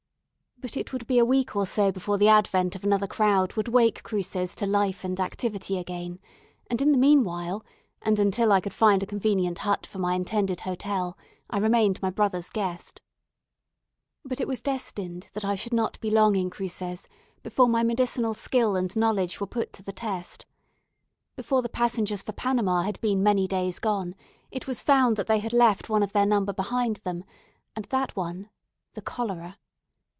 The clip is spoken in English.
But it would be a week or so before the advent of another crowd would wake Cruces to life and activity again; and in the meanwhile, and until I could find a convenient hut for my intended hotel, I remained my brother's guest. But it was destined that I should not be long in Cruces before my medicinal skill and knowledge were put to the test. Before the passengers for Panama had been many days gone, it was found that they had left one of their number behind them, and that one the cholera.